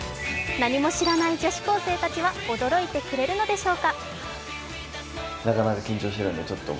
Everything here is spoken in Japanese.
何も知らない女子高生たちは驚いてくれるのでしょうか。